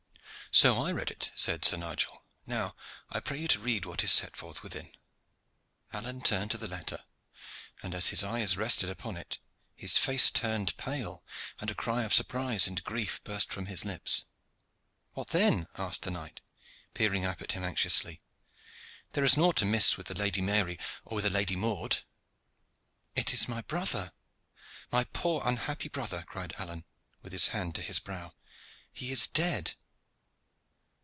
"So I read it," said Sir Nigel. "Now I pray you to read what is set forth within." Alleyne turned to the letter, and, as his eyes rested upon it, his face turned pale and a cry of surprise and grief burst from his lips. "What then?" asked the knight, peering up at him anxiously. "There is nought amiss with the Lady Mary or with the Lady Maude?" "It is my brother my poor unhappy brother!" cried Alleyne, with his hand to his brow. "He is dead."